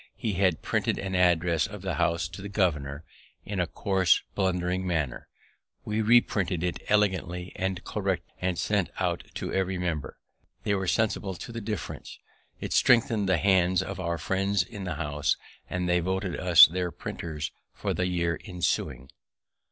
He had printed an address of the House to the governor, in a coarse, blundering manner; we reprinted it elegantly and correctly, and sent one to every member. They were sensible of the difference: it strengthened the hands of our friends in the House, and they voted us their printers for the year ensuing.